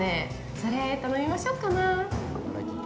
それ頼みましょうかね。